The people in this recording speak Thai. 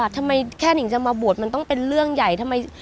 ทำไมแค่นิ่งจะมาบวชมันต้องเป็นเรื่องใหญ่ทำไม